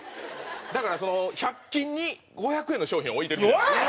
だからその１００均に５００円の商品置いてるみたいな。